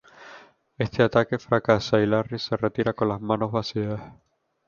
Este ataque fracasa y Larry se retira con las manos vacías.